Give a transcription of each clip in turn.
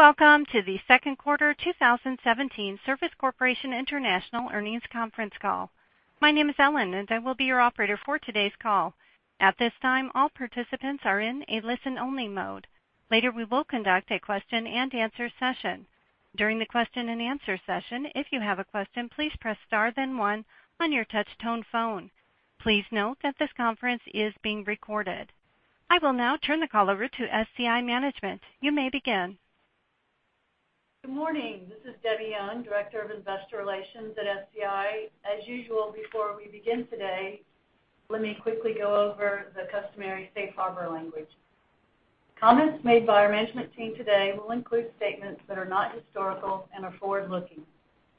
Welcome to the second quarter 2017 Service Corporation International earnings conference call. My name is Ellen, and I will be your operator for today's call. At this time, all participants are in a listen-only mode. Later, we will conduct a question and answer session. During the question and answer session, if you have a question, please press star then one on your touch tone phone. Please note that this conference is being recorded. I will now turn the call over to SCI management. You may begin. Good morning. This is Debbie Young, Director of Investor Relations at SCI. As usual, before we begin today, let me quickly go over the customary safe harbor language. Comments made by our management team today will include statements that are not historical and are forward-looking.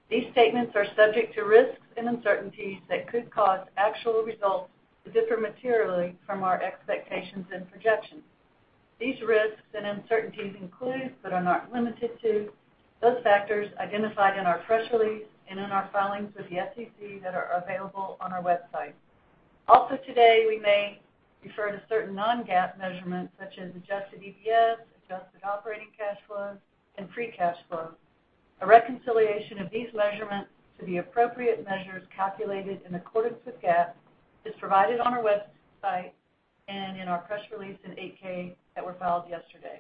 These statements are subject to risks and uncertainties that could cause actual results to differ materially from our expectations and projections. These risks and uncertainties include, but are not limited to, those factors identified in our press release and in our filings with the SEC that are available on our website. Today, we may refer to certain non-GAAP measurements such as adjusted EPS, adjusted operating cash flow, and free cash flow. A reconciliation of these measurements to the appropriate measures calculated in accordance with GAAP is provided on our website and in our press release in 8-K that were filed yesterday.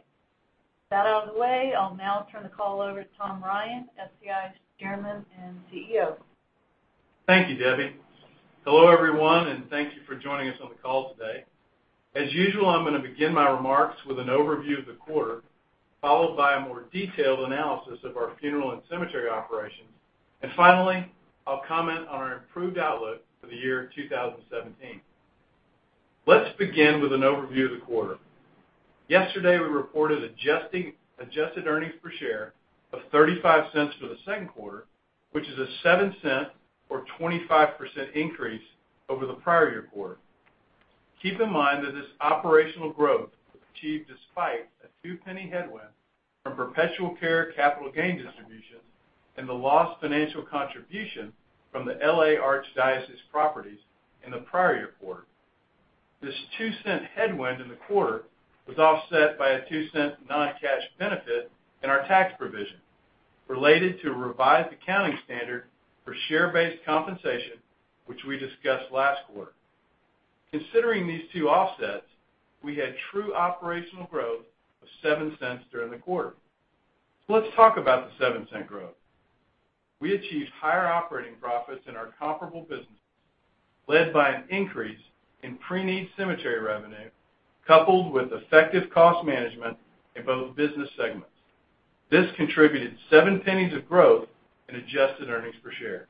With that out of the way, I'll now turn the call over to Tom Ryan, SCI's Chairman and CEO. Thank you, Debbie. Hello, everyone, and thank you for joining us on the call today. As usual, I'm going to begin my remarks with an overview of the quarter, followed by a more detailed analysis of our funeral and cemetery operations. Finally, I'll comment on our improved outlook for the year 2017. Let's begin with an overview of the quarter. Yesterday, we reported adjusted earnings per share of $0.35 for the second quarter, which is a $0.07 or 25% increase over the prior year quarter. Keep in mind that this operational growth was achieved despite a $0.02 headwind from perpetual care capital gain distributions and the lost financial contribution from the L.A. Archdiocese properties in the prior year quarter. This $0.02 headwind in the quarter was offset by a $0.02 non-cash benefit in our tax provision related to a revised accounting standard for share-based compensation, which we discussed last quarter. Considering these two offsets, we had true operational growth of $0.07 during the quarter. Let's talk about the $0.07 growth. We achieved higher operating profits in our comparable businesses, led by an increase in preneed cemetery revenue, coupled with effective cost management in both business segments. This contributed $0.07 of growth in adjusted earnings per share.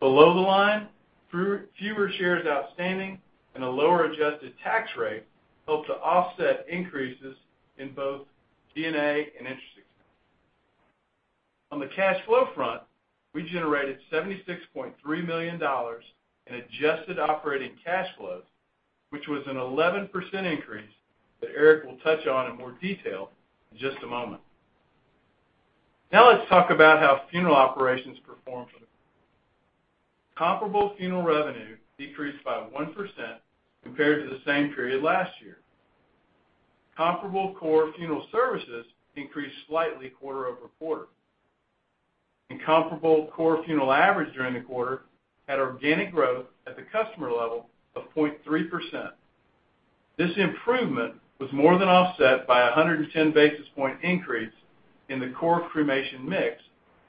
Below the line, fewer shares outstanding and a lower adjusted tax rate helped to offset increases in both D&A and interest expense. On the cash flow front, we generated $76.3 million in adjusted operating cash flows, which was an 11% increase that Eric will touch on in more detail in just a moment. Now let's talk about how funeral operations performed for the quarter. Comparable funeral revenue decreased by 1% compared to the same period last year. Comparable core funeral services increased slightly quarter-over-quarter. Comparable core funeral average during the quarter had organic growth at the customer level of 0.3%. This improvement was more than offset by 110 basis points increase in the core cremation mix,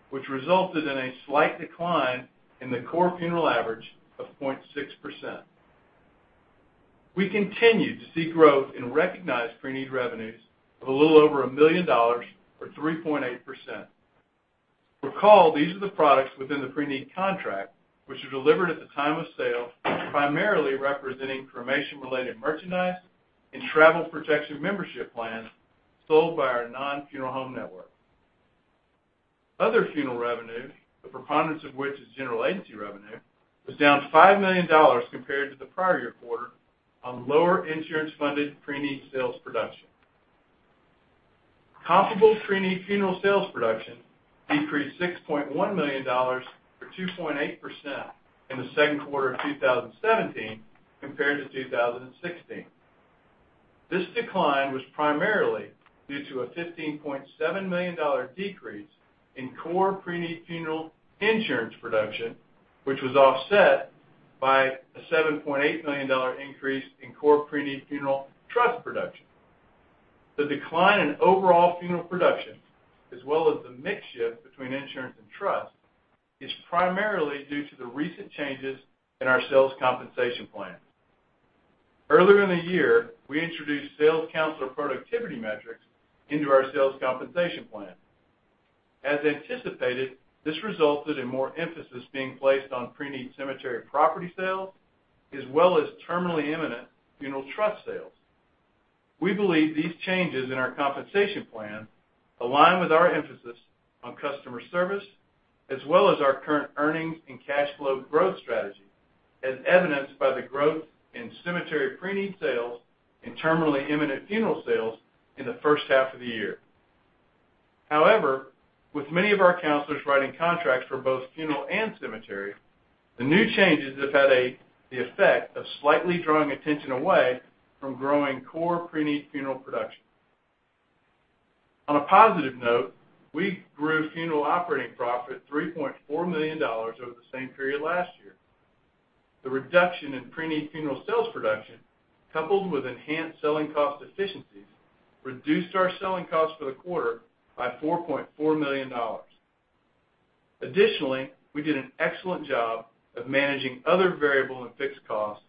which resulted in a slight decline in the core funeral average of 0.6%. We continue to see growth in recognized preneed revenues of a little over $1 million or 3.8%. Recall, these are the products within the preneed contract, which are delivered at the time of sale, primarily representing cremation-related merchandise and travel protection membership plans sold by our non-funeral home network. Other funeral revenue, the preponderance of which is general agency revenue, was down $5 million compared to the prior year quarter on lower insurance-funded preneed sales production. Comparable preneed funeral sales production decreased $6.1 million or 2.8% in the second quarter of 2017 compared to 2016. This decline was primarily due to a $15.7 million decrease in core preneed funeral insurance production, which was offset by a $7.8 million increase in core preneed funeral trust production. The decline in overall funeral production, as well as the mix shift between insurance and trust, is primarily due to the recent changes in our sales compensation plan. Earlier in the year, we introduced sales counselor productivity metrics into our sales compensation plan. As anticipated, this resulted in more emphasis being placed on preneed cemetery property sales, as well as terminally imminent funeral trust sales. We believe these changes in our compensation plan align with our emphasis on customer service, as well as our current earnings and cash flow growth strategy, as evidenced by the growth in cemetery preneed sales and terminally imminent funeral sales in the first half of the year. With many of our counselors writing contracts for both funeral and cemetery, the new changes have had the effect of slightly drawing attention away from growing core preneed funeral production. On a positive note, we grew funeral operating profit to $3.4 million over the same period last year. The reduction in preneed funeral sales production, coupled with enhanced selling cost efficiencies, reduced our selling cost for the quarter by $4.4 million. Additionally, we did an excellent job of managing other variable and fixed costs,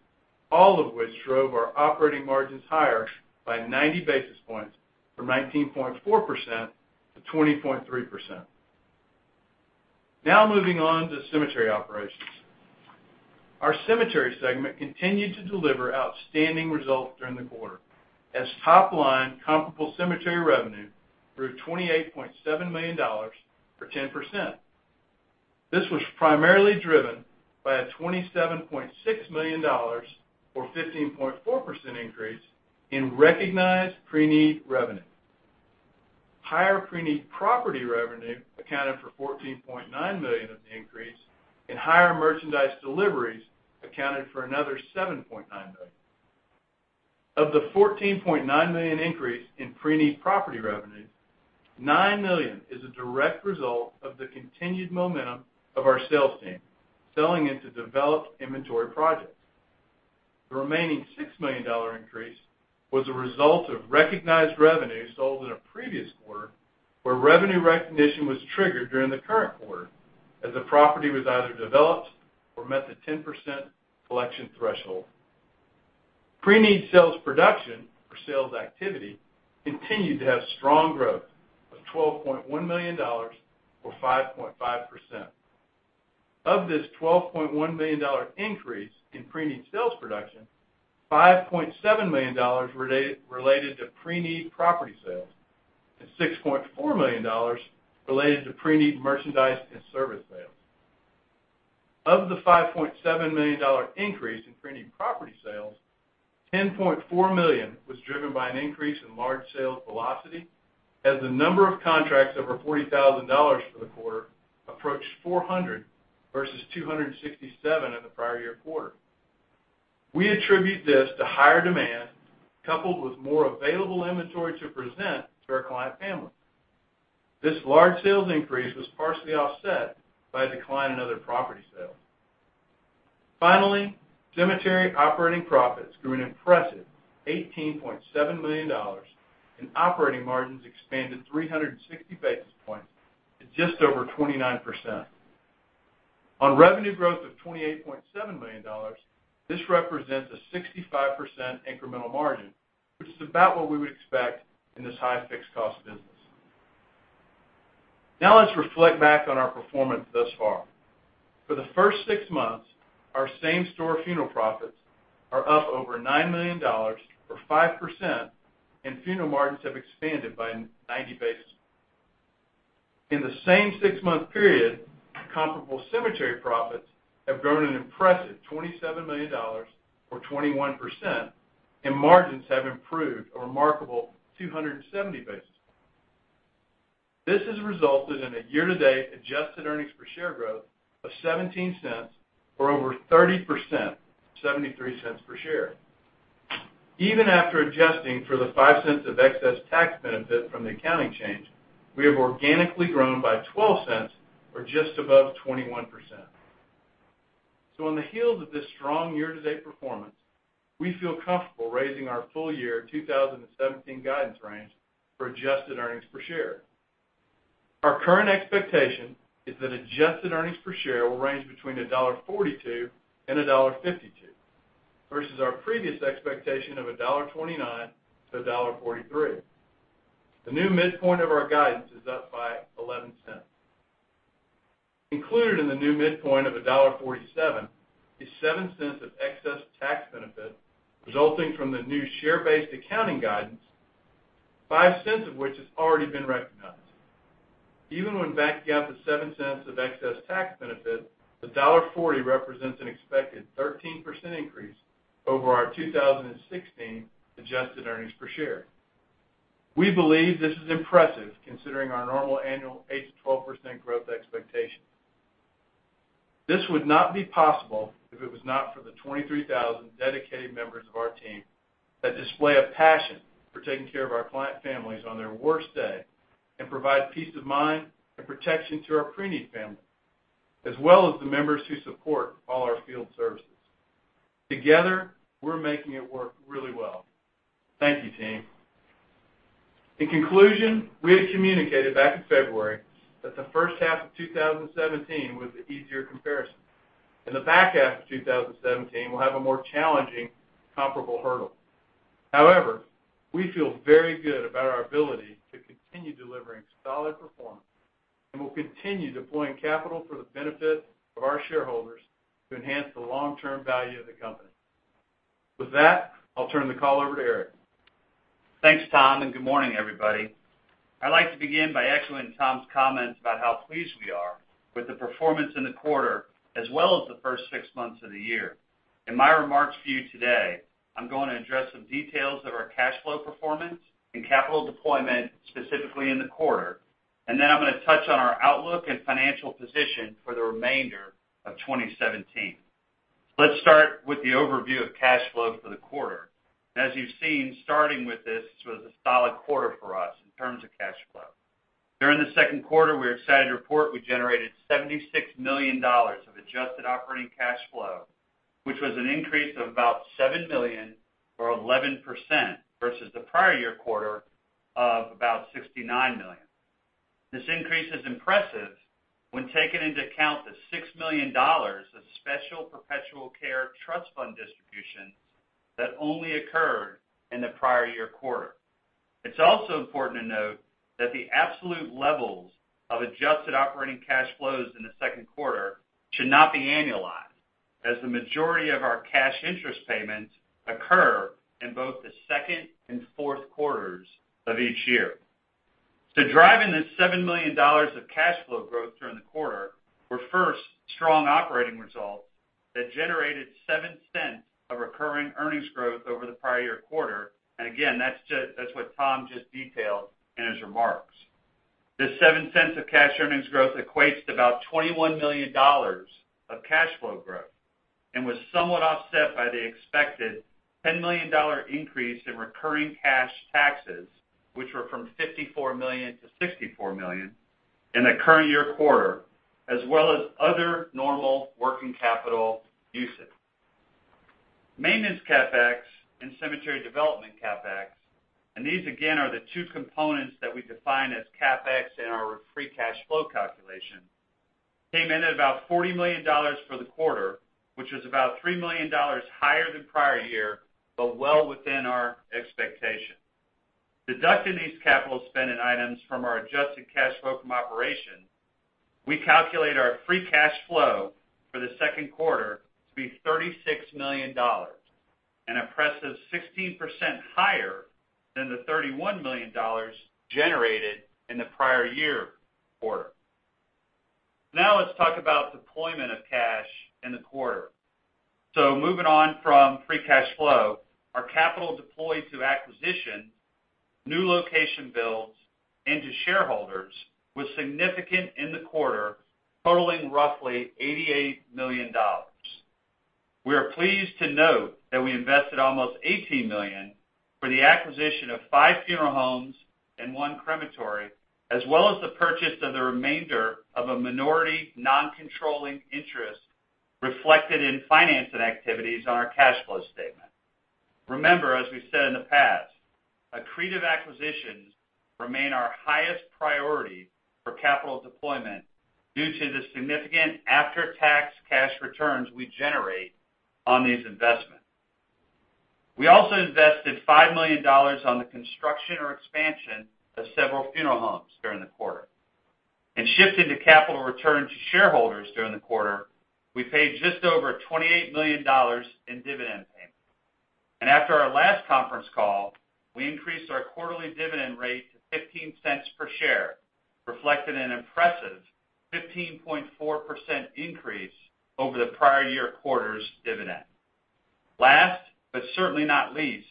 all of which drove our operating margins higher by 90 basis points from 19.4% to 20.3%. Moving on to cemetery operations. Our cemetery segment continued to deliver outstanding results during the quarter as top-line comparable cemetery revenue grew to $28.7 million or 10%. This was primarily driven by a $27.6 million or 15.4% increase in recognized pre-need revenue. Higher pre-need property revenue accounted for $14.9 million of the increase, and higher merchandise deliveries accounted for another $7.9 million. Of the $14.9 million increase in pre-need property revenue, $9 million is a direct result of the continued momentum of our sales team selling into developed inventory projects. The remaining $6 million increase was a result of recognized revenue sold in a previous quarter, where revenue recognition was triggered during the current quarter as the property was either developed or met the 10% collection threshold. Pre-need sales production or sales activity continued to have strong growth of $12.1 million or 5.5%. Of this $12.1 million increase in pre-need sales production, $5.7 million related to pre-need property sales and $6.4 million related to pre-need merchandise and service sales. Of the $5.7 million increase in pre-need property sales, $10.4 million was driven by an increase in large sales velocity as the number of contracts over $40,000 for the quarter approached 400 versus 267 in the prior year quarter. We attribute this to higher demand coupled with more available inventory to present to our client families. This large sales increase was partially offset by a decline in other property sales. Cemetery operating profits grew an impressive $18.7 million, and operating margins expanded 360 basis points to just over 29%. On revenue growth of $28.7 million, this represents a 65% incremental margin, which is about what we would expect in this high fixed cost business. Let's reflect back on our performance thus far. For the first six months, our same-store funeral profits are up over $9 million or 5%, and funeral margins have expanded by 90 basis points. In the same six-month period, comparable cemetery profits have grown an impressive $27 million or 21%, and margins have improved a remarkable 270 basis points. This has resulted in a year-to-date adjusted earnings per share growth of $0.17 or over 30%, $0.73 per share. Even after adjusting for the $0.05 of excess tax benefit from the accounting change, we have organically grown by $0.12 or just above 21%. On the heels of this strong year-to-date performance, we feel comfortable raising our full-year 2017 guidance range for adjusted earnings per share. Our current expectation is that adjusted earnings per share will range between $1.42 and $1.52, versus our previous expectation of $1.29 to $1.43. The new midpoint of our guidance is up by $0.11. Included in the new midpoint of $1.47 is $0.07 of excess tax benefit resulting from the new share-based accounting guidance, $0.05 of which has already been recognized. Even when backing out the $0.07 of excess tax benefit, the $1.40 represents an expected 13% increase over our 2016 adjusted earnings per share. We believe this is impressive considering our normal annual 8%-12% growth expectation. This would not be possible if it was not for the 23,000 dedicated members of our team that display a passion for taking care of our client families on their worst day and provide peace of mind and protection to our pre-need families, as well as the members who support all our field services. Together, we're making it work really well. Thank you, team. In conclusion, we had communicated back in February that the first half of 2017 was the easier comparison, the back half of 2017 will have a more challenging comparable hurdle. However, we feel very good about our ability to continue delivering solid performance. We'll continue deploying capital for the benefit of our shareholders to enhance the long-term value of the company. With that, I'll turn the call over to Eric. Thanks, Tom. Good morning, everybody. I'd like to begin by echoing Tom's comments about how pleased we are with the performance in the quarter as well as the first six months of the year. In my remarks for you today, I'm going to address some details of our cash flow performance and capital deployment specifically in the quarter. I'm going to touch on our outlook and financial position for the remainder of 2017. Let's start with the overview of cash flow for the quarter. As you've seen, starting with this was a solid quarter for us in terms of cash flow. During the second quarter, we're excited to report we generated $76 million of adjusted operating cash flow, which was an increase of about $7 million or 11% versus the prior year quarter of about $69 million. This increase is impressive when taking into account the $6 million of special perpetual care trust fund distributions that only occurred in the prior year quarter. It's also important to note that the absolute levels of adjusted operating cash flows in the second quarter should not be annualized, as the majority of our cash interest payments occur in both the second and fourth quarters of each year. Driving this $7 million of cash flow growth during the quarter were first, strong operating results that generated $0.07 of recurring earnings growth over the prior year quarter. Again, that's what Tom just detailed in his remarks. This $0.07 of cash earnings growth equates to about $21 million of cash flow growth and was somewhat offset by the expected $10 million increase in recurring cash taxes, which were from $54 million to $64 million in the current year quarter, as well as other normal working capital usage. Maintenance CapEx and cemetery development CapEx, these again are the two components that we define as CapEx in our free cash flow calculation, came in at about $40 million for the quarter, which was about $3 million higher than prior year, but well within our expectation. Deducting these capital spending items from our adjusted cash flow from operation, we calculate our free cash flow for the second quarter to be $36 million, an impressive 16% higher than the $31 million generated in the prior year quarter. Let's talk about deployment of cash in the quarter. Moving on from free cash flow, our capital deployed to acquisition, new location builds, and to shareholders was significant in the quarter, totaling roughly $88 million. We are pleased to note that we invested almost $18 million for the acquisition of five funeral homes and one crematory, as well as the purchase of the remainder of a minority non-controlling interest reflected in financing activities on our cash flow statement. Remember, as we've said in the past, accretive acquisitions remain our highest priority for capital deployment due to the significant after-tax cash returns we generate on these investments. We also invested $5 million on the construction or expansion of several funeral homes during the quarter. Shifting to capital return to shareholders during the quarter, we paid just over $28 million in dividend payments. After our last conference call, we increased our quarterly dividend rate to $0.15 per share, reflected an impressive 15.4% increase over the prior year quarter's dividend. Last, but certainly not least,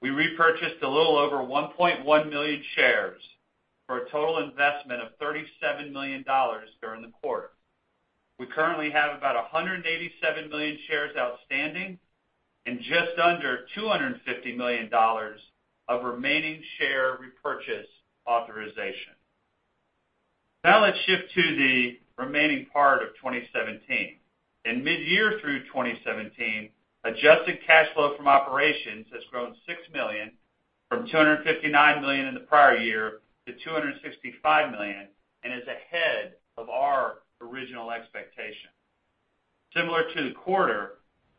we repurchased a little over 1.1 million shares for a total investment of $37 million during the quarter. We currently have about 187 million shares outstanding and just under $250 million of remaining share repurchase authorization. Let's shift to the remaining part of 2017. In mid-year through 2017, adjusted cash flow from operations has grown $6 million from $259 million in the prior year to $265 million and is ahead of our original expectation. Similar to the quarter,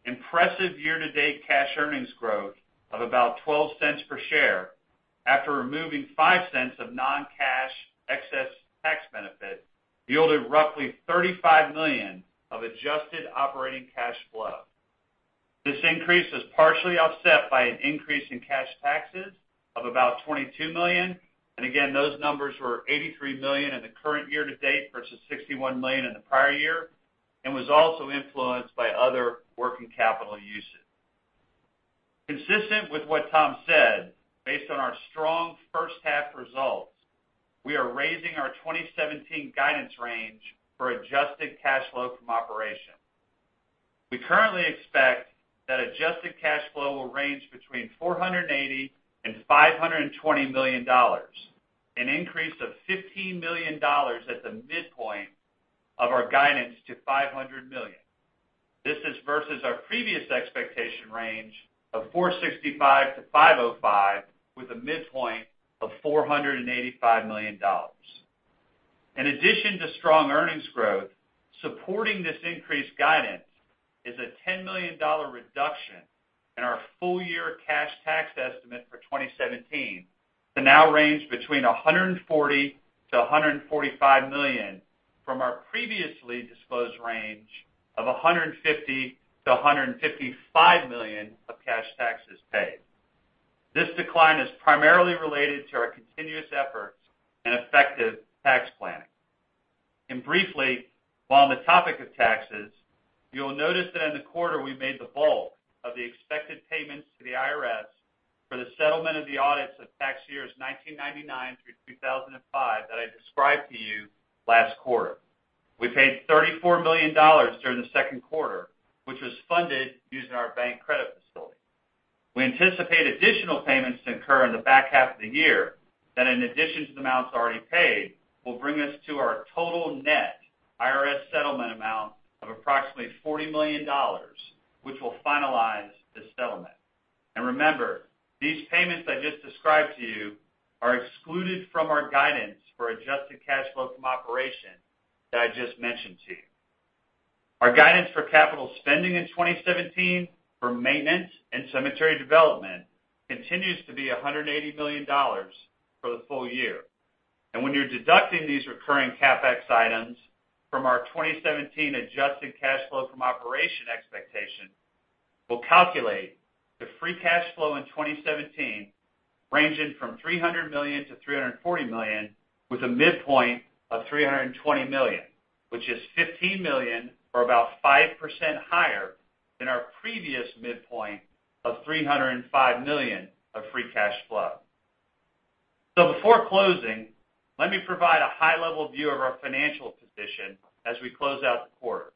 impressive year-to-date cash earnings growth of about $0.12 per share after removing $0.05 of non-cash excess tax benefit, yielded roughly $35 million of adjusted operating cash flow. This increase is partially offset by an increase in cash taxes of about $22 million. Again, those numbers were $83 million in the current year to date versus $61 million in the prior year, and was also influenced by other working capital uses. Consistent with what Tom said, based on our strong first half results, we are raising our 2017 guidance range for adjusted cash flow from operations. We currently expect that adjusted cash flow will range between $480 million-$520 million, an increase of $15 million at the midpoint of our guidance to $500 million. This is versus our previous expectation range of $465 million-$505 million with a midpoint of $485 million. In addition to strong earnings growth, supporting this increased guidance is a $10 million reduction in our full year cash tax estimate for 2017 to now range between $140 million-$145 million from our previously disclosed range of $150 million-$155 million of cash taxes paid. This decline is primarily related to our continuous efforts in effective tax planning. Briefly, while on the topic of taxes, you'll notice that in the quarter we made the bulk of the expected payments to the IRS for the settlement of the audits of tax years 1999 through 2005 that I described to you last quarter. We paid $34 million during the second quarter, which was funded using our bank credit facility. We anticipate additional payments to incur in the back half of the year that in addition to the amounts already paid, will bring us to our total net IRS settlement amount of approximately $40 million, which will finalize this settlement. Remember, these payments I just described to you are excluded from our guidance for adjusted cash flow from operation that I just mentioned to you. Our guidance for capital spending in 2017 for maintenance and cemetery development continues to be $180 million for the full year. When you're deducting these recurring CapEx items from our 2017 adjusted cash flow from operation expectation, we'll calculate the free cash flow in 2017 ranging from $300 million-$340 million with a midpoint of $320 million, which is $15 million or about 5% higher than our previous midpoint of $305 million of free cash flow. Before closing, let me provide a high-level view of our financial position as we close out the quarter.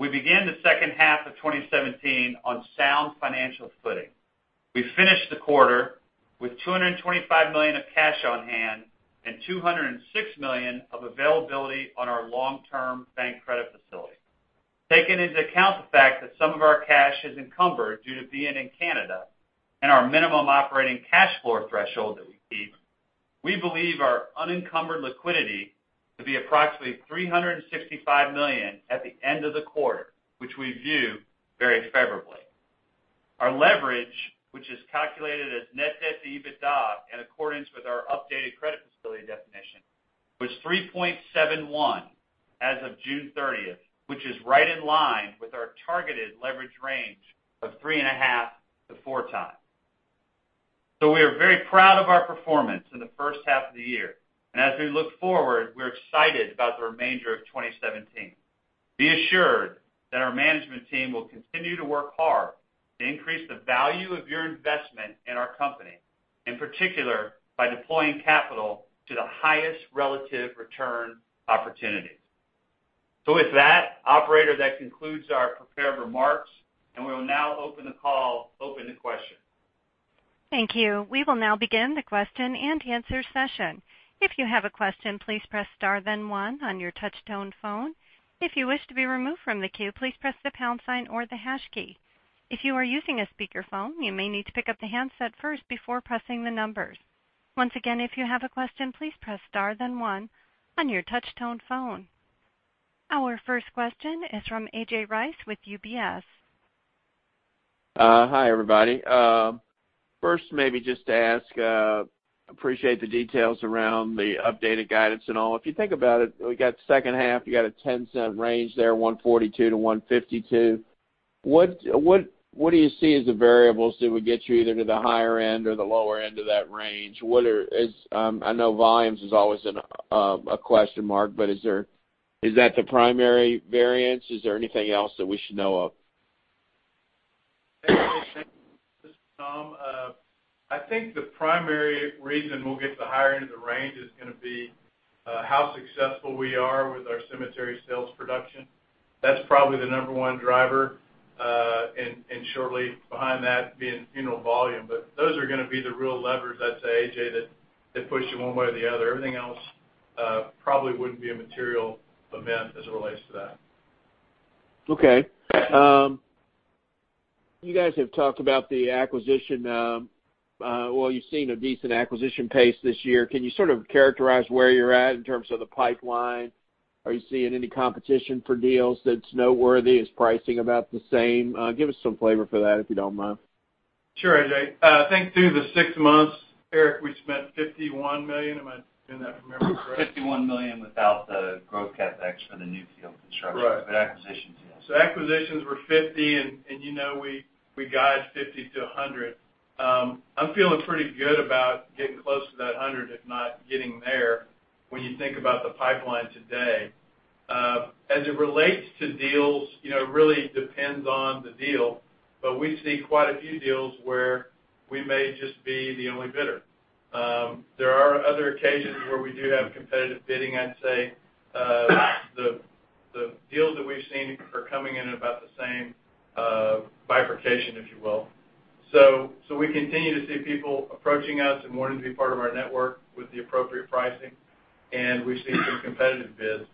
We begin the second half of 2017 on sound financial footing. We finished the quarter with $225 million of cash on hand and $206 million of availability on our long-term bank credit facility. Taking into account the fact that some of our cash is encumbered due to being in Canada and our minimum operating cash flow threshold that we keep, we believe our unencumbered liquidity to be approximately $365 million at the end of the quarter, which we view very favorably. Our leverage, which is calculated as net debt to EBITDA in accordance with our updated credit facility definition, was 3.71 as of June 30th, which is right in line with our targeted leverage range of 3.5-4 times. We are very proud of our performance in the first half of the year, as we look forward, we're excited about the remainder of 2017. Be assured that our management team will continue to work hard to increase the value of your investment in our company, in particular by deploying capital to the highest relative return opportunities. With that, operator, that concludes our prepared remarks, we will now open the call open to questions. Thank you. We will now begin the question-and-answer session. If you have a question, please press star then one on your touch tone phone. If you wish to be removed from the queue, please press the pound sign or the hash key. If you are using a speaker phone, you may need to pick up the handset first before pressing the numbers. Once again, if you have a question, please press star then one on your touch tone phone. Our first question is from A.J. Rice with UBS. Hi, everybody. First maybe just to ask, appreciate the details around the updated guidance and all. If you think about it, we got second half, you got a $0.10 range there, $1.42 to $1.52. What do you see as the variables that would get you either to the higher end or the lower end of that range? I know volumes is always a question mark, but is that the primary variance? Is there anything else that we should know of? Thanks, Tom. I think the primary reason we'll get to the higher end of the range is going to be how successful we are with our cemetery sales production. That's probably the number one driver, and shortly behind that being funeral volume. Those are going to be the real levers, I'd say, AJ, that push it one way or the other. Everything else probably wouldn't be a material event as it relates to that. Okay. You guys have talked about the acquisition. Well, you've seen a decent acquisition pace this year. Can you sort of characterize where you're at in terms of the pipeline? Are you seeing any competition for deals that's noteworthy? Is pricing about the same? Give us some flavor for that, if you don't mind. Sure, AJ. I think through the six months, Eric, we spent $51 million. Am I doing that from memory correct? $51 million without the growth CapEx for the new field construction. Right. Acquisitions, yes. Acquisitions were $50 million, and you know we guide $50 million-$100 million. I'm feeling pretty good about getting close to that $100 million, if not getting there when you think about the pipeline today. As it relates to deals, really depends on the deal, but we see quite a few deals where we may just be the only bidder. There are other occasions where we do have competitive bidding, I'd say. The deals that we've seen are coming in at about the same bifurcation, if you will. We continue to see people approaching us and wanting to be part of our network with the appropriate pricing, and we've seen some competitive bids.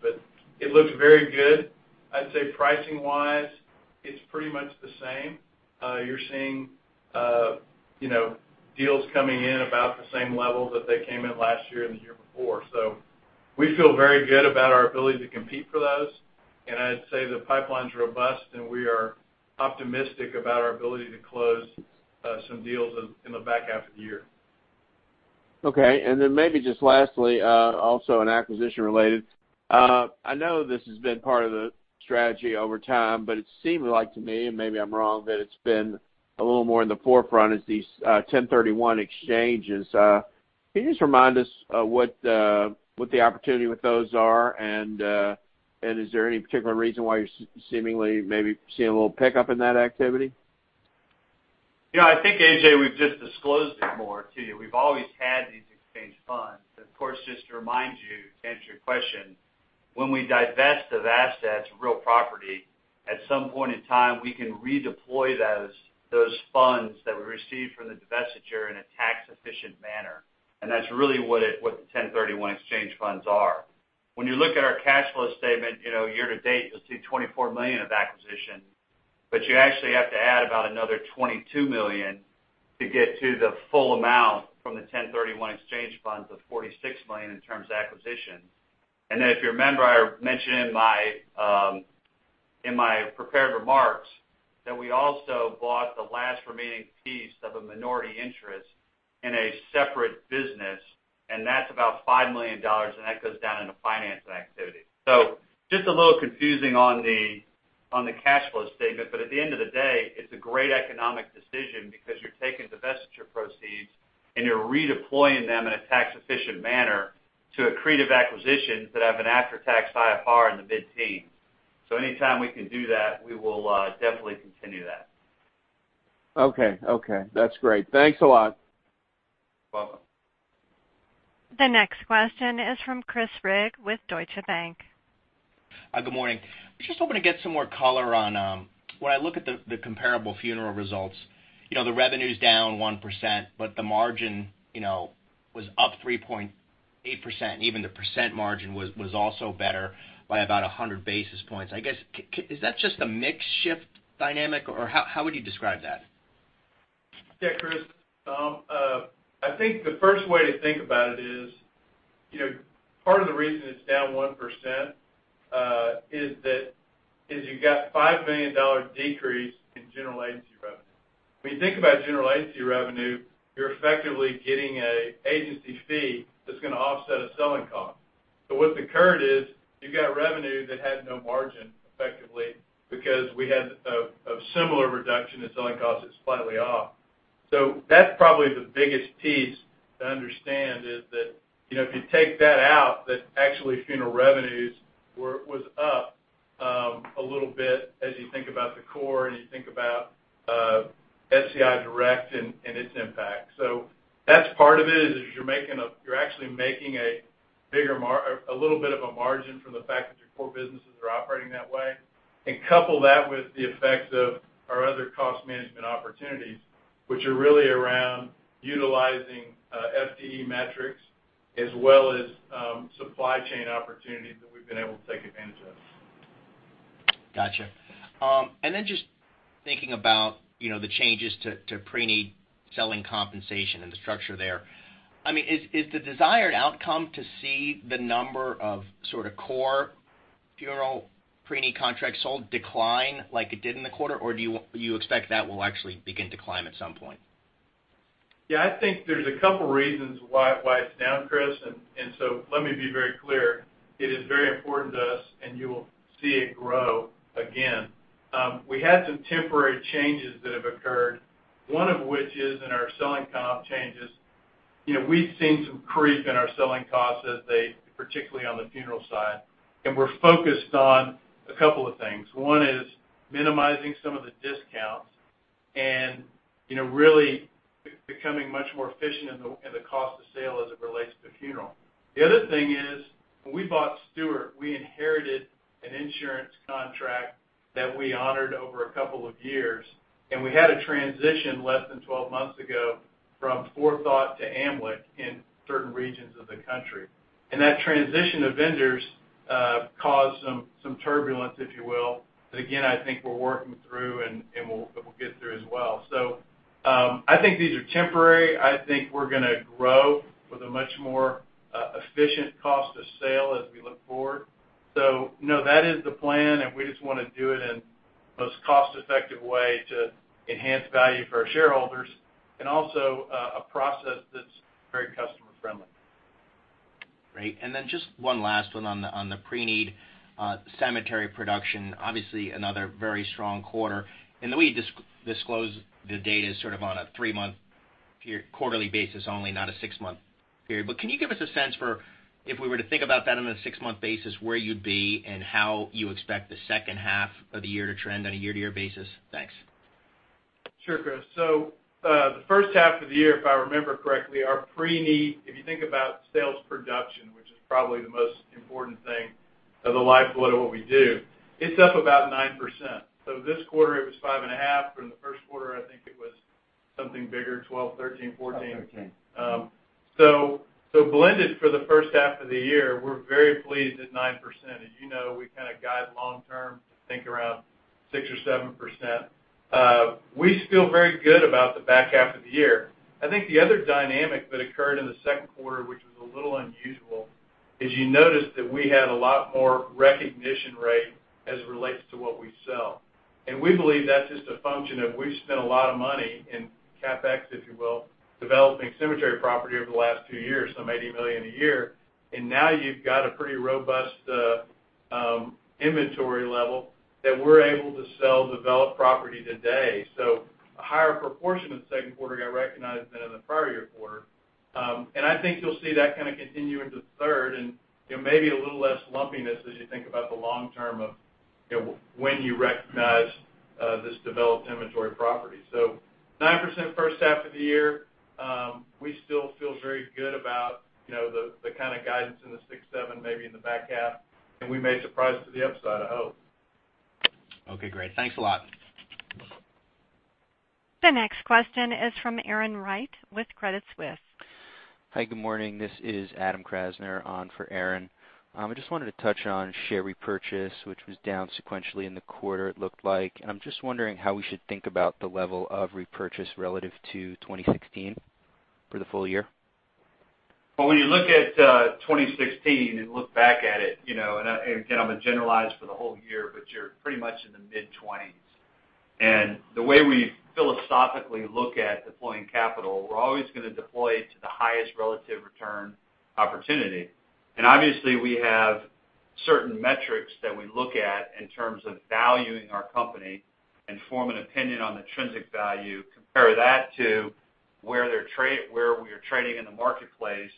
It looks very good. I'd say pricing-wise, it's pretty much the same. You're seeing deals coming in about the same level that they came in last year and the year before. We feel very good about our ability to compete for those, and I'd say the pipeline's robust, and we are optimistic about our ability to close some deals in the back half of the year. Okay, maybe just lastly, also an acquisition-related. I know this has been part of the strategy over time, it seemed like to me, and maybe I'm wrong, that it's been a little more in the forefront is these 1031 exchanges. Can you just remind us what the opportunity with those are? Is there any particular reason why you're seemingly maybe seeing a little pickup in that activity? I think, AJ, we've just disclosed it more to you. We've always had these exchange funds. Of course, just to remind you, to answer your question, when we divest of assets, real property, at some point in time, we can redeploy those funds that we received from the divestiture in a tax-efficient manner, that's really what the 1031 exchange funds are. When you look at our cash flow statement year to date, you'll see $24 million of acquisition, you actually have to add about another $22 million to get to the full amount from the 1031 exchange funds of $46 million in terms of acquisition. If you remember, I mentioned in my prepared remarks that we also bought the last remaining piece of a minority interest in a separate business, that's about $5 million, that goes down in the financing activity. Just a little confusing on the cash flow statement, at the end of the day, it's a great economic decision because you're taking divestiture proceeds and you're redeploying them in a tax-efficient manner to accretive acquisitions that have an after-tax IRR in the mid-teens. Anytime we can do that, we will definitely continue that. Okay. That's great. Thanks a lot. You're welcome. The next question is from Chris Rigg with Deutsche Bank. Hi, good morning. I was just hoping to get some more color on, when I look at the comparable funeral results, the revenue's down 1%, but the margin was up 3.8%, and even the percent margin was also better by about 100 basis points. I guess, is that just a mix shift dynamic, or how would you describe that? Yeah, Chris. I think the first way to think about it is, part of the reason it's down 1% is that you got a $5 million decrease in general agency revenue. What's occurred is you got revenue that had no margin, effectively, because we had a similar reduction in selling costs that's slightly off. That's probably the biggest piece to understand is that, if you take that out, that actually funeral revenues was up a little bit as you think about the core and you think about SCI Direct and its impact. That's part of it, is you're actually making a little bit of a margin from the fact that your core businesses are operating that way. Couple that with the effects of our other cost management opportunities, which are really around utilizing FTE metrics as well as supply chain opportunities that we've been able to take advantage of. Got you. Just thinking about the changes to preneed selling compensation and the structure there. Is the desired outcome to see the number of core funeral preneed contracts sold decline like it did in the quarter, or do you expect that will actually begin to climb at some point? I think there's a couple reasons why it's down, Chris, let me be very clear. It is very important to us, and you will see it grow again. We had some temporary changes that have occurred, one of which is in our selling comp changes. We've seen some creep in our selling costs, particularly on the funeral side, and we're focused on a couple of things. One is minimizing some of the discounts and really becoming much more efficient in the cost of sale as it relates to funeral. The other thing is, when we bought Stewart, we inherited an insurance contract that we honored over a couple of years, and we had a transition less than 12 months ago from Forethought to AMLIC in certain regions of the country. That transition of vendors caused some turbulence, if you will, that again, I think we're working through, and we'll get through as well. I think these are temporary. I think we're going to grow with a much more efficient cost of sale as we look forward. No, that is the plan, and we just want to do it in the most cost-effective way to enhance value for our shareholders, and also a process that's very customer-friendly. Great. Just one last one on the preneed cemetery production. Obviously, another very strong quarter. The way you disclose the data is on a three-month quarterly basis only, not a six-month period. Can you give us a sense for, if we were to think about that on a six-month basis, where you'd be and how you expect the second half of the year to trend on a year-to-year basis? Thanks. Sure, Chris. The first half of the year, if I remember correctly, our preneed, if you think about sales production, which is probably the most important thing of the lifeblood of what we do, it's up about 9%. This quarter, it was 5.5%. From the first quarter, I think it was something bigger, 12%, 13%, 14%. 12%, 13%. Blended for the first half of the year, we're very pleased at 9%. As you know, we kind of guide long term to think around 6% or 7%. We feel very good about the back half of the year. I think the other dynamic that occurred in the second quarter, which was a little unusual, is you notice that we had a lot more recognition rate as it relates to what we sell. We believe that's just a function of we've spent a lot of money in CapEx, if you will, developing cemetery property over the last two years, some $80 million a year. Now you've got a pretty robust inventory level that we're able to sell developed property today. A higher proportion of the second quarter got recognized than in the prior year quarter. I think you'll see that kind of continue into the third and maybe a little less lumpiness as you think about the long term of when you recognize this developed inventory property. 9% first half of the year. We still feel very good about the kind of guidance in the 6%, 7%, maybe in the back half, we may surprise to the upside, I hope. Okay, great. Thanks a lot. The next question is from Erin Wright with Credit Suisse. Hi, good morning. This is Adam Krasner on for Erin. I just wanted to touch on share repurchase, which was down sequentially in the quarter, it looked like. I'm just wondering how we should think about the level of repurchase relative to 2016 for the full year. Well, when you look at 2016 and look back at it and again, I'm going to generalize for the whole year, but you're pretty much in the mid-20s. The way we philosophically look at deploying capital, we're always going to deploy to the highest relative return opportunity. Obviously, we have certain metrics that we look at in terms of valuing our company and form an opinion on the intrinsic value, compare that to where we are trading in the marketplace,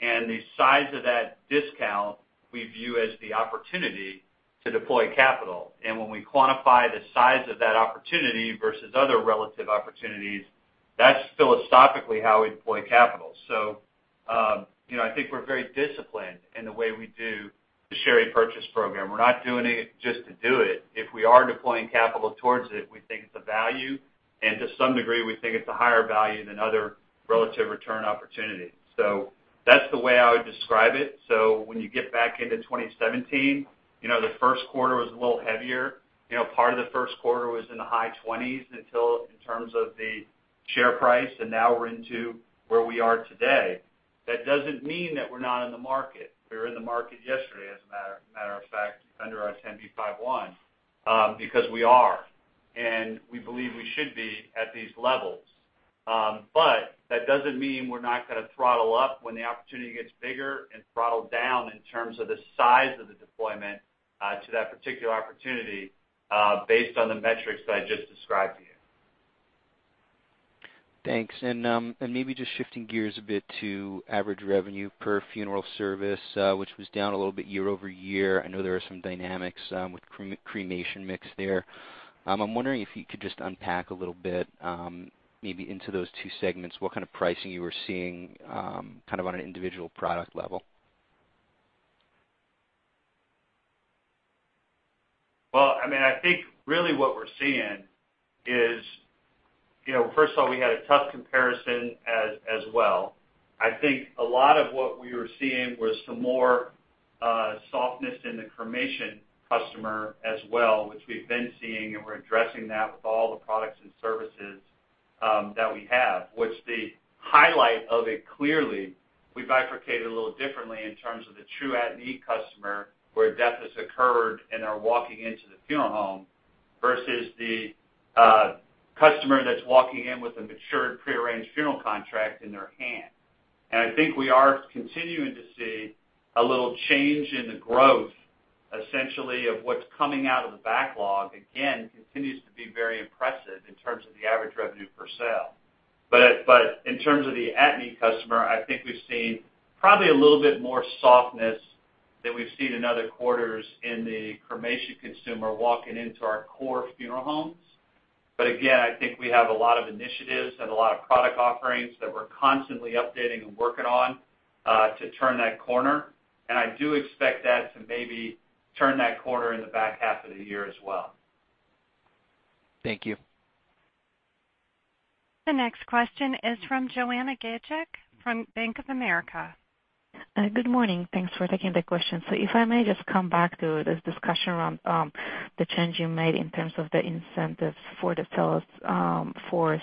and the size of that discount we view as the opportunity to deploy capital. When we quantify the size of that opportunity versus other relative opportunities, that's philosophically how we deploy capital. I think we're very disciplined in the way we do the share repurchase program. We're not doing it just to do it. If we are deploying capital towards it, we think it's a value, and to some degree, we think it's a higher value than other relative return opportunities. That's the way I would describe it. When you get back into 2017, the first quarter was a little heavier. Part of the first quarter was in the high 20s in terms of the share price, and now we're into where we are today. That doesn't mean that we're not in the market. We were in the market yesterday, as a matter of fact, under our Rule 10b5-1 because we are, and we believe we should be at these levels. That doesn't mean we're not going to throttle up when the opportunity gets bigger and throttle down in terms of the size of the deployment to that particular opportunity based on the metrics that I just described to you. Thanks. Maybe just shifting gears a bit to average revenue per funeral service which was down a little bit year-over-year. I know there are some dynamics with cremation mix there. I'm wondering if you could just unpack a little bit maybe into those two segments, what kind of pricing you were seeing on an individual product level. Well, I think really what we're seeing is, first of all, we had a tough comparison as well. I think a lot of what we were seeing was some more softness in the cremation customer as well, which we've been seeing, and we're addressing that with all the products and services that we have, which the highlight of it clearly, we bifurcated a little differently in terms of the true at-need customer, where death has occurred and are walking into the funeral home versus the customer that's walking in with a matured prearranged funeral contract in their hand. I think we are continuing to see a little change in the growth, essentially, of what's coming out of the backlog, again, continues to be very impressive in terms of the average revenue per sale. In terms of the at-need customer, I think we've seen probably a little bit more softness than we've seen in other quarters in the cremation consumer walking into our core funeral homes. Again, I think we have a lot of initiatives and a lot of product offerings that we're constantly updating and working on to turn that corner. I do expect that to maybe turn that corner in the back half of the year as well. Thank you. The next question is from Joanna Gajuk from Bank of America. Good morning. Thanks for taking the question. If I may just come back to this discussion around the change you made in terms of the incentives for the sales force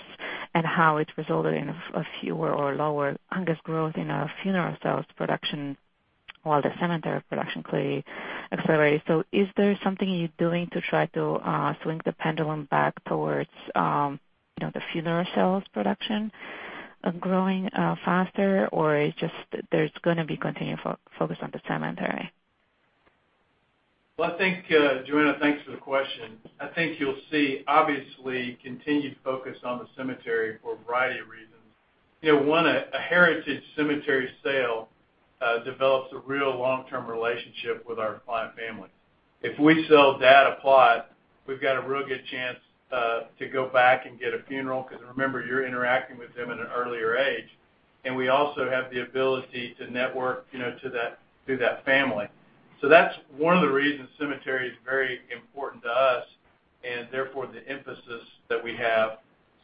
and how it's resulted in a fewer or lower organic growth in our funeral sales production while the cemetery production clearly accelerated. Is there something you're doing to try to swing the pendulum back towards the funeral sales production growing faster, or it's just there's going to be continued focus on the cemetery? Joanna, thanks for the question. I think you'll see, obviously, continued focus on the cemetery for a variety of reasons. One, a heritage cemetery sale develops a real long-term relationship with our client families. If we sell dad a plot, we've got a real good chance to go back and get a funeral because remember, you're interacting with him at an earlier age, and we also have the ability to network through that family. That's one of the reasons cemetery is very important to us and therefore the emphasis that we have.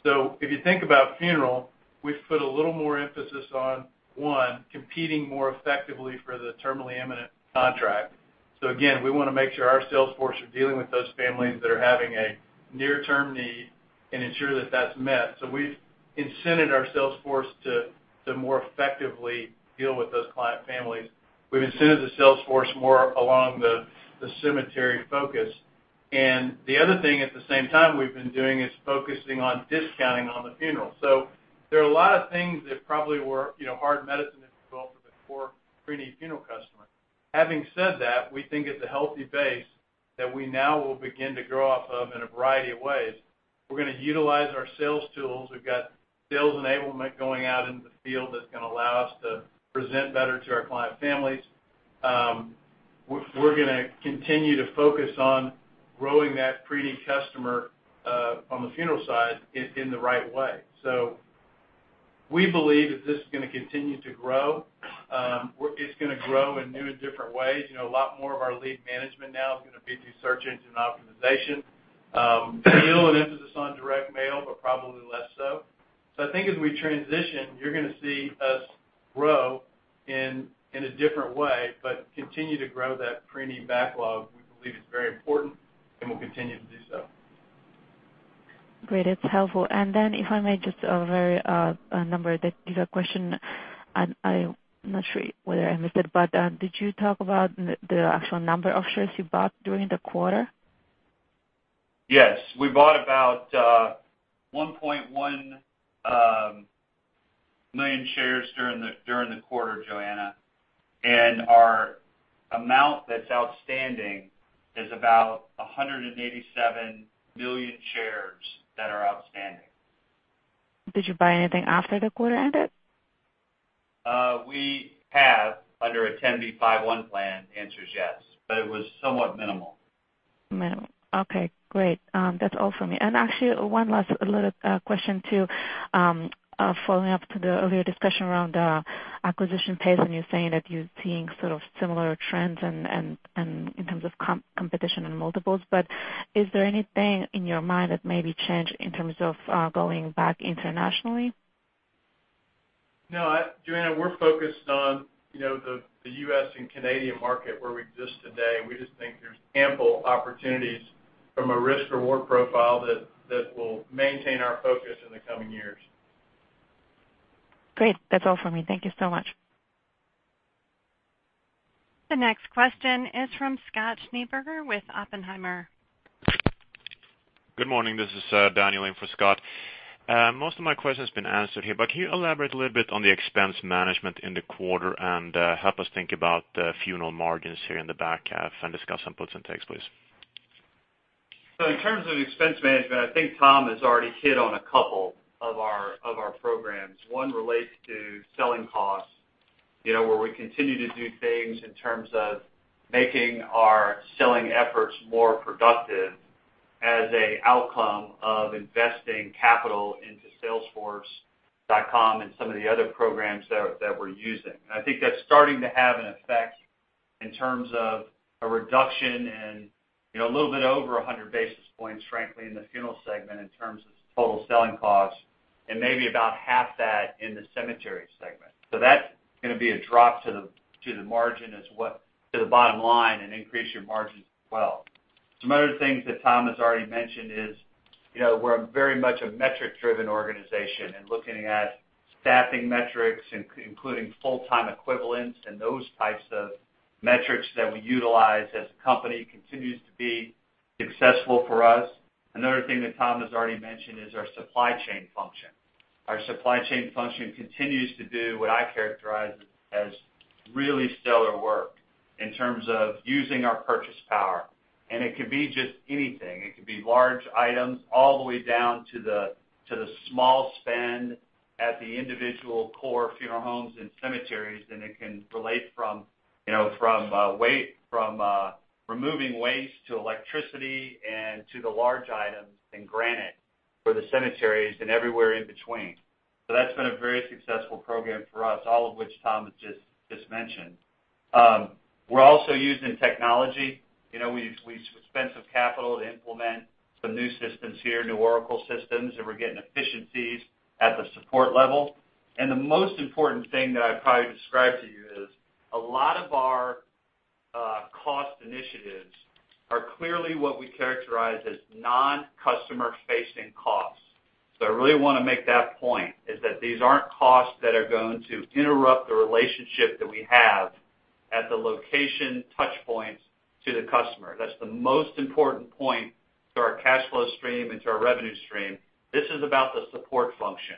If you think about funeral, we've put a little more emphasis on, one, competing more effectively for the terminally imminent contract. Again, we want to make sure our sales force are dealing with those families that are having a near-term need and ensure that that's met. We've incented our sales force to more effectively deal with those client families. We've incented the sales force more along the cemetery focus. The other thing at the same time we've been doing is focusing on discounting on the funeral. There are a lot of things that probably were hard medicine to swallow for the core preneed funeral customer. Having said that, we think it's a healthy base that we now will begin to grow off of in a variety of ways. We're going to utilize our sales tools. We've got sales enablement going out into the field that's going to allow us to present better to our client families. We're going to continue to focus on growing that preneed customer on the funeral side in the right way. We believe that this is going to continue to grow. It's going to grow in new and different ways. A lot more of our lead management now is going to be through search engine optimization. Still an emphasis on direct mail, but probably less so. I think as we transition, you're going to see us grow in a different way, but continue to grow that preneed backlog. We believe it's very important, and we'll continue to do so. Great. That's helpful. Then, if I may, just a number that is a question, and I'm not sure whether I missed it, but did you talk about the actual number of shares you bought during the quarter? Yes. We bought about 1.1 million shares during the quarter, Joanna. Our amount that's outstanding is about 187 million shares that are outstanding. Did you buy anything after the quarter ended? We have, under a 10b5-1 plan, the answer is yes. It was somewhat minimal. Minimal. Okay, great. That's all for me. Actually, one last little question too, following up to the earlier discussion around acquisition pace, and you saying that you're seeing sort of similar trends in terms of competition and multiples. Is there anything in your mind that may be changed in terms of going back internationally? No, Joanna, we're focused on the U.S. and Canadian market where we exist today. We just think there's ample opportunities from a risk-reward profile that will maintain our focus in the coming years. Great. That's all for me. Thank you so much. The next question is from Scott Schneeberger with Oppenheimer. Good morning. This is Daniel in for Scott. Most of my question has been answered here, can you elaborate a little bit on the expense management in the quarter and help us think about the funeral margins here in the back half and discuss some puts and takes, please? In terms of expense management, I think Tom has already hit on a couple of our programs. One relates to selling costs, where we continue to do things in terms of making our selling efforts more productive as an outcome of investing capital into Salesforce.com and some of the other programs that we're using. I think that's starting to have an effect in terms of a reduction in a little bit over 100 basis points, frankly, in the funeral segment in terms of total selling costs and maybe about half that in the cemetery segment. That's going to be a drop to the margin to the bottom line and increase your margins as well. Some other things that Tom has already mentioned is, we're very much a metric-driven organization and looking at staffing metrics, including full-time equivalents and those types of metrics that we utilize as the company continues to be successful for us. Another thing that Tom has already mentioned is our supply chain function. Our supply chain function continues to do what I characterize as really stellar work in terms of using our purchase power. It could be just anything. It could be large items all the way down to the small spend at the individual core funeral homes and cemeteries. It can relate from removing waste to electricity and to the large items in granite for the cemeteries and everywhere in between. That's been a very successful program for us, all of which Tom has just mentioned. We're also using technology. We spent some capital to implement some new systems here, new Oracle systems, we're getting efficiencies at the support level. The most important thing that I'd probably describe to you is a lot of our cost initiatives are clearly what we characterize as non-customer-facing costs. I really want to make that point, is that these aren't costs that are going to interrupt the relationship that we have at the location touchpoints to the customer. That's the most important point to our cash flow stream and to our revenue stream. This is about the support function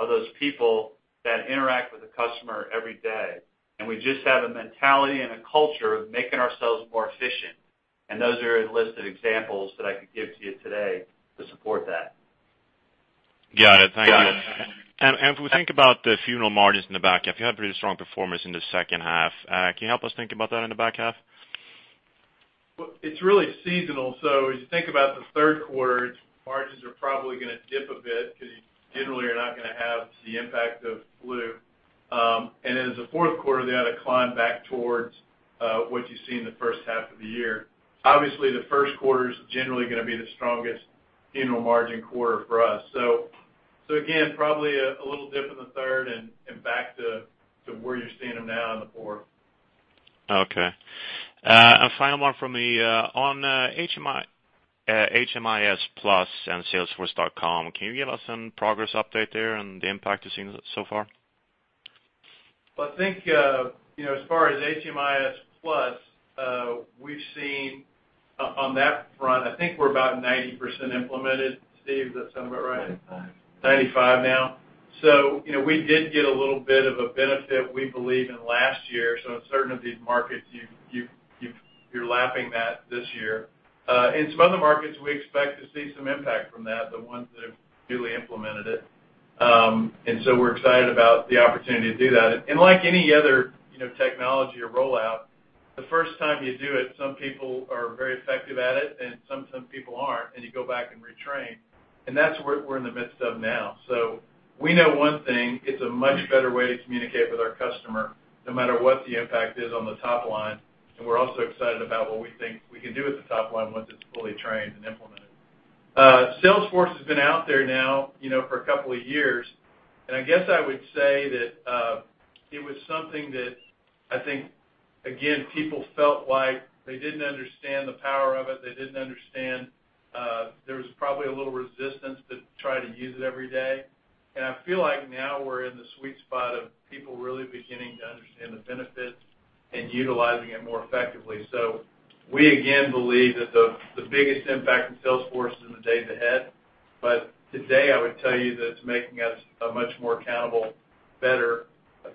of those people that interact with the customer every day. We just have a mentality and a culture of making ourselves more efficient. Those are a list of examples that I could give to you today to support that. Got it. Thank you. If we think about the funeral margins in the back half, you had pretty strong performance in the second half. Can you help us think about that in the back half? Well, it's really seasonal. As you think about the third quarter, margins are probably going to dip a bit because generally, you're not going to have the impact of flu. As the fourth quarter, they ought to climb back towards what you see in the first half of the year. Obviously, the first quarter is generally going to be the strongest funeral margin quarter for us. Again, probably a little dip in the third and back to where you're seeing them now in the fourth. Okay. A final one from me. On HMIS Plus, and salesforce.com, can you give us some progress update there and the impact you've seen so far? Well, I think, as far as HMIS Plus, we've seen on that front, I think we're about 90% implemented. Steve, does that sound about right? 95%. 95% now. We did get a little bit of a benefit, we believe, in last year. In certain of these markets, you're lapping that this year. In some other markets, we expect to see some impact from that, the ones that have newly implemented it. We're excited about the opportunity to do that. Like any other technology or rollout, the first time you do it, some people are very effective at it, and some people aren't, and you go back and retrain. That's what we're in the midst of now. We know one thing, it's a much better way to communicate with our customer no matter what the impact is on the top line. We're also excited about what we think we can do at the top line once it's fully trained and implemented. Salesforce has been out there now for a couple of years, and I guess I would say that it was something that I think, again, people felt like they didn't understand the power of it. There was probably a little resistance to try to use it every day. I feel like now we're in the sweet spot of people really beginning to understand the benefits and utilizing it more effectively. We, again, believe that the biggest impact in Salesforce is in the days ahead. Today, I would tell you that it's making us a much more accountable, better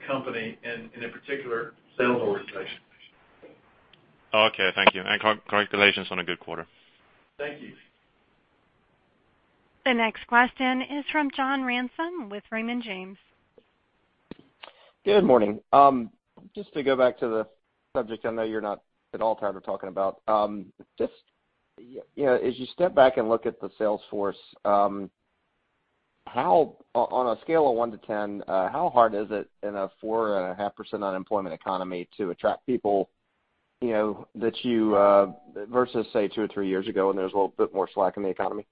company and, in particular, sales organization. Okay. Thank you. Congratulations on a good quarter. Thank you. The next question is from John Ransom with Raymond James. Good morning. Just to go back to the subject, I know you're not at all tired of talking about. As you step back and look at the sales force, on a scale of one to 10, how hard is it in a 4.5% unemployment economy to attract people, versus, say, two or three years ago when there was a little bit more slack in the economy?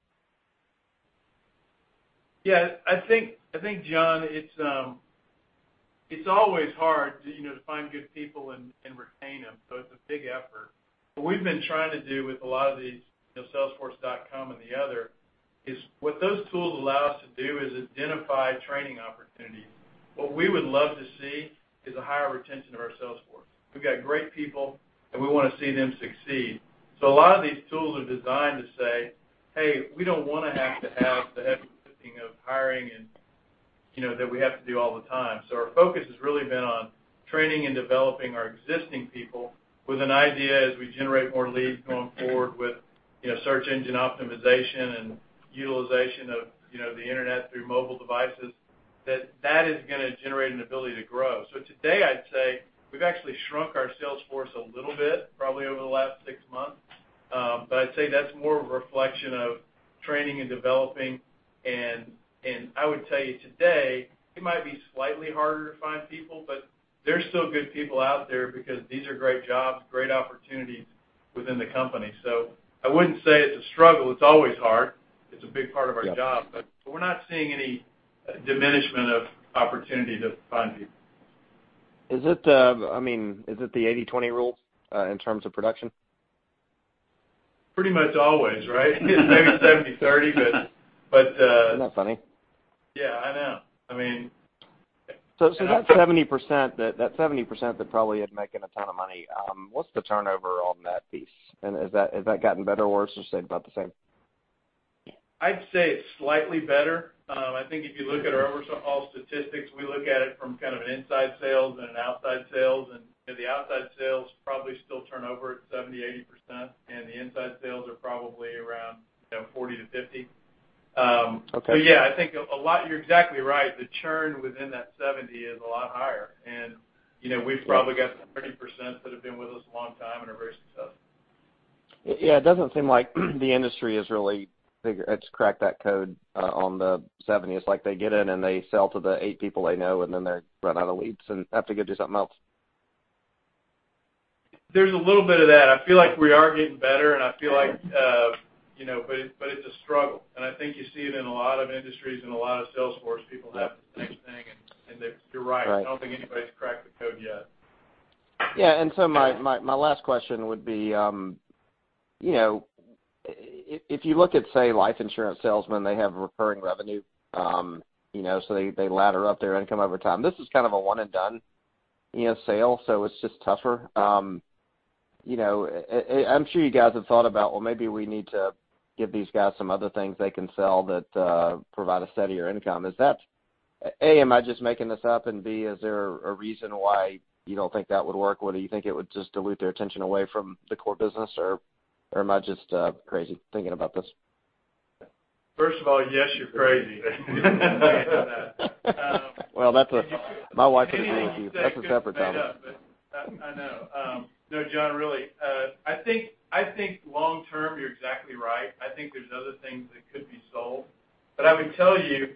John, it's always hard to find good people and retain them. It's a big effort. What we've been trying to do with a lot of these, salesforce.com and the other, is those tools allow us to identify training opportunities. We would love to see a higher retention of our sales force. We've got great people, and we want to see them succeed. A lot of these tools are designed to say, "Hey, we don't want to have to have the heavy lifting of hiring that we have to do all the time." Our focus has really been on training and developing our existing people with an idea as we generate more leads going forward with search engine optimization and utilization of the internet through mobile devices, that that is going to generate an ability to grow. Today, I'd say we've actually shrunk our sales force a little bit, probably over the last six months. I'd say that's more of a reflection of training and developing. I would tell you today, it might be slightly harder to find people, but there's still good people out there because these are great jobs, great opportunities within the company. I wouldn't say it's a struggle. It's always hard. It's a big part of our job. Yeah. We're not seeing any diminishment of opportunity to find people. Is it the 80/20 rule in terms of production? Pretty much always, right? Maybe 70/30. Isn't that funny? Yeah, I know. That 70% that probably isn't making a ton of money, what's the turnover on that piece? Has that gotten better or worse or stayed about the same? I'd say it's slightly better. I think if you look at our overall statistics, we look at it from kind of an inside sales and an outside sales. The outside sales probably still turnover at 70%-80%, and the inside sales are probably around 40%-50%. Okay. Yeah, I think you're exactly right. The churn within that 70% is a lot higher. We've probably got 30% that have been with us a long time and are very successful. Yeah, it doesn't seem like the industry has really cracked that code on the 70%. It's like they get in and they sell to the eight people they know, and then they run out of leads and have to go do something else. There's a little bit of that. I feel like we are getting better. It's a struggle. I think you see it in a lot of industries and a lot of Salesforce people have the same thing. You're right. Right. I don't think anybody's cracked the code yet. Yeah, my last question would be, if you look at, say, life insurance salesmen, they have recurring revenue, so they ladder up their income over time. This is kind of a one and done sale, so it's just tougher. I'm sure you guys have thought about, well, maybe we need to give these guys some other things they can sell that provide a steadier income. A, am I just making this up? B, is there a reason why you don't think that would work? Whether you think it would just dilute their attention away from the core business, or am I just crazy thinking about this? First of all, yes, you're crazy thinking that. Well, my wife would agree with you. That's a separate topic. I know. No, John, really, I think long term, you're exactly right. I think there's other things that could be sold. I would tell you,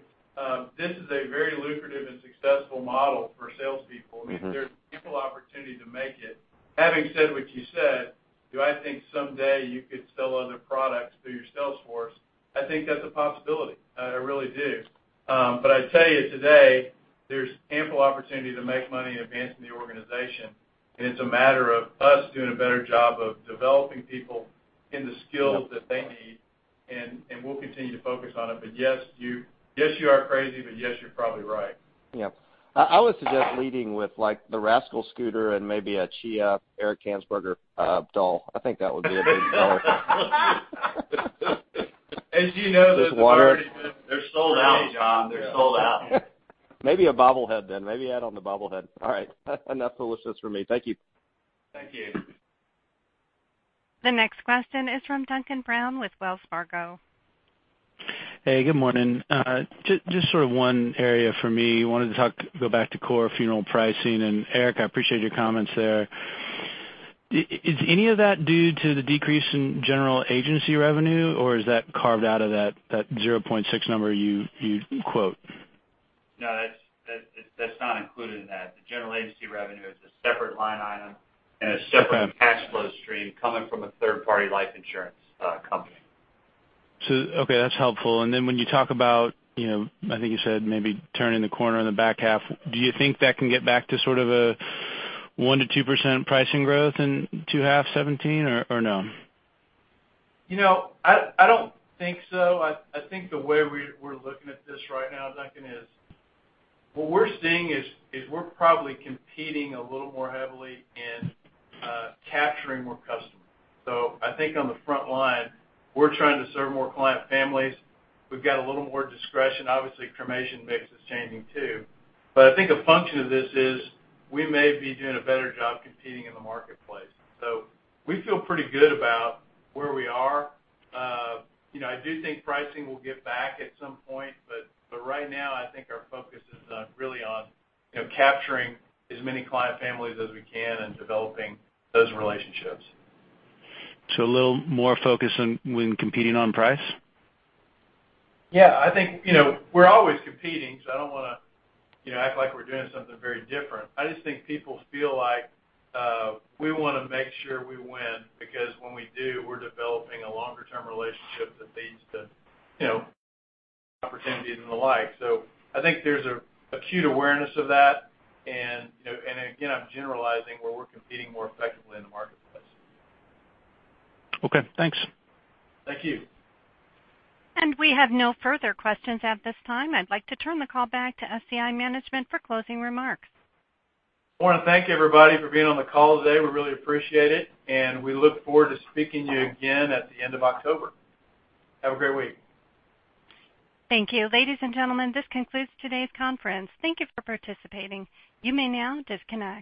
this is a very lucrative and successful model for salespeople. There's ample opportunity to make it. Having said what you said, do I think someday you could sell other products through your sales force? I think that's a possibility. I really do. I'd tell you today, there's ample opportunity to make money advancing the organization, and it's a matter of us doing a better job of developing people in the skills that they need. We'll continue to focus on it. Yes, you are crazy, but yes, you're probably right. Yeah. I would suggest leading with the Rascal scooter and maybe a Chia Eric Tanzberger doll. I think that would be a big seller. As you know, those are already. Just water it. They're sold out, John. They're sold out. Maybe a bobblehead then. Maybe add on the bobblehead. All right, enough solicitations from me. Thank you. Thank you. The next question is from Duncan Brown with Wells Fargo. Hey, good morning. Just sort of one area for me. Wanted to go back to core funeral pricing. Eric, I appreciate your comments there. Is any of that due to the decrease in general agency revenue, or is that carved out of that 0.6 number you quote? No, that's not included in that. The general agency revenue is a separate line item and a separate cash flow stream coming from a third-party life insurance company. Okay, that's helpful. When you talk about, I think you said maybe turning the corner in the back half, do you think that can get back to sort of a 1%-2% pricing growth in 2H 2017, or no? I don't think so. I think the way we're looking at this right now, Duncan, is what we're seeing is we're probably competing a little more heavily in capturing more customers. I think on the front line, we're trying to serve more client families. We've got a little more discretion. Obviously, cremation mix is changing, too. I think a function of this is we may be doing a better job competing in the marketplace. We feel pretty good about where we are. I do think pricing will get back at some point, for right now, I think our focus is really on capturing as many client families as we can and developing those relationships. A little more focus on when competing on price? Yeah, I think we're always competing, I don't want to act like we're doing something very different. I just think people feel like we want to make sure we win, because when we do, we're developing a longer term relationship that leads to opportunities and the like. I think there's an acute awareness of that, and again, I'm generalizing where we're competing more effectively in the marketplace. Okay, thanks. Thank you. We have no further questions at this time. I'd like to turn the call back to SCI management for closing remarks. I want to thank everybody for being on the call today. We really appreciate it, and we look forward to speaking to you again at the end of October. Have a great week. Thank you. Ladies and gentlemen, this concludes today's conference. Thank you for participating. You may now disconnect.